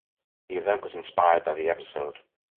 The event was inspired by the episode.